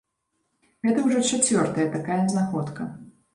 Гэта ўжо чацвёртая такая знаходка.